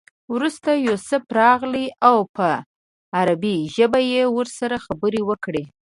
وروسته یوسف راغی او په عبري ژبه یې ورسره خبرې وکړې.